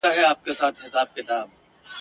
د لرغوني سمېریا نانا